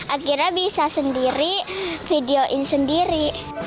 akhirnya bisa sendiri videoin sendiri